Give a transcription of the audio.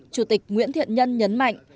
chủ tịch nguyễn thiện nhân nhấn mạnh